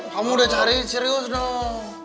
kamu udah cari serius dong